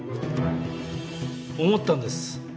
思ったんです。